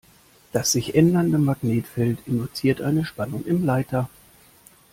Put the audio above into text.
Das sich ändernde Magnetfeld induziert eine Spannung im Leiter.